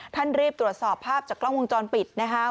ท่านรีบตรวจสอบภาพจากกล้องวงจรปิดนะคะ